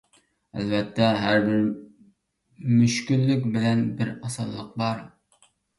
ئەلۋەتتە، ھەربىر مۈشكۈللۈك بىلەن بىر ئاسانلىق بار.